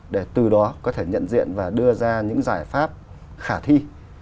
để từ đó có thể nhận diện và đưa ra những giải pháp khả thi